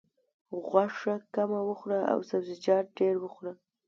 غوښه کمه وخوره او سبزیجات ډېر وخوره.